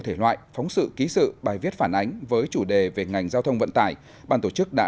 thể loại phóng sự ký sự bài viết phản ánh với chủ đề về ngành giao thông vận tải bàn tổ chức đã